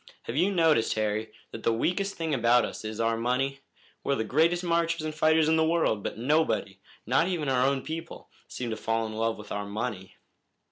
Have you noticed, Harry, that the weakest thing about us is our money? We're the greatest marchers and fighters in the world, but nobody, not even our own people, seem to fall in love with our money."